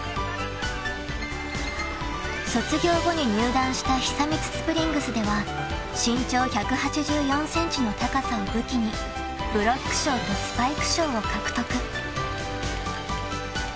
［卒業後に入団した久光スプリングスでは身長１８４ｃｍの高さを武器にブロック賞とスパイク賞を獲得］